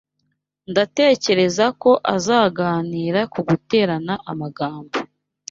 Ndatekereza ko azaganira ku guterana amagambo.